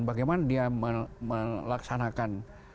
bagaimana dia melaksanakan